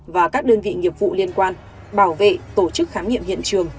và các đơn vị nghiệp vụ liên quan bảo vệ tổ chức khám nghiệm hiện trường